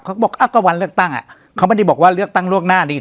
เขาบอกอ้าวก็วันเลือกตั้งอ่ะเขาไม่ได้บอกว่าเลือกตั้งล่วงหน้าดี